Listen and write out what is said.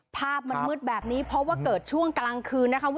ภาพมันมืดแบบนี้เพราะว่าเกิดช่วงกลางคืนนะคะ